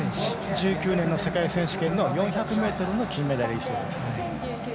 １９年の世界選手権の４００ｍの金メダリストです。